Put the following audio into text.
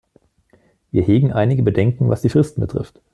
Wir hegen einige Bedenken, was die Fristen betrifft.